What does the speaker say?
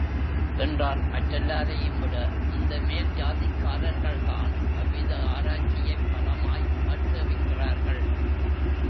என்றால் மற்றெல்லாரையும் விட இந்த மேல் ஜாதிக்காரர்கள் தான் அவ்வித ஆராய்ச்சியைப் பலமாய் ஆட்சேபிக்கிறார்கள்.